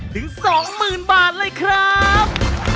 ถึง๒๐๐๐บาทเลยครับ